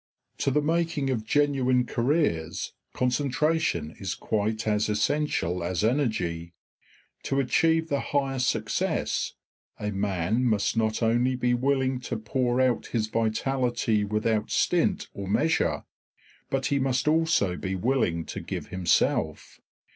To the making of genuine careers concentration is quite as essential as energy; to achieve the highest success, a man must not only be willing to pour out his vitality without stint or measure, but he must also be willing to give himself.